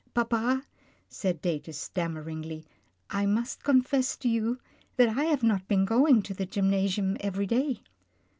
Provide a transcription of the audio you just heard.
Papa," said Datus, stammeringly, " I must con fess to you that I have not been going to the gym nasium every day."